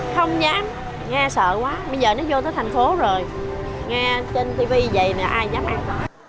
không dám nghe sợ quá bây giờ nó vô tới thành phố rồi nghe trên tv vậy là ai dám ăn